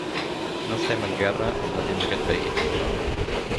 No estem en guerra amb la gent d'aquest país.